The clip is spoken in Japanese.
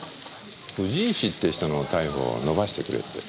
藤石って人の逮捕を延ばしてくれって。